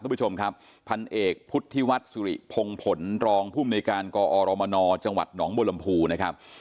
ท่านผู้ชมครับพันเอกพุทธิวัตรสุริพงฝนรองผู้มูลยการกอรมนจังหวัดหนองบูรรมภูนะครับ